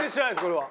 これは。